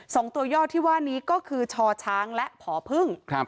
สองตัวย่อที่ว่านี้ก็คือชอช้างและผอพึ่งครับ